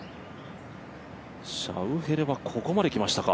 シャウフェレはここまで来ましたか。